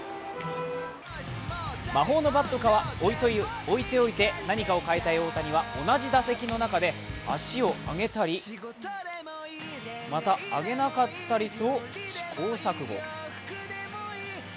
魔法のバットかは、置いておいて何かを変えたい大谷は同じ打席の中で足を上げたりまた、上げなかったりと試行錯誤。